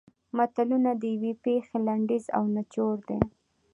متلونه د یوې پېښې لنډیز او نچوړ دي